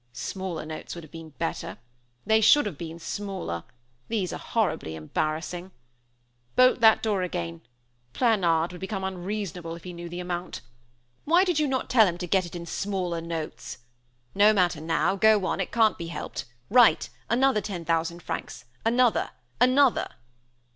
Smaller notes would have been better. They should have been smaller. These are horribly embarrassing. Bolt that door again; Planard would become unreasonable if he knew the amount. Why did you not tell him to get it in smaller notes? No matter now go on it can't be helped write another ten thousand francs another another."